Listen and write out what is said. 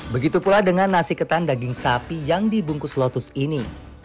begitu pula dengan nasi ketan daging sapi yang dibungkus lotus ini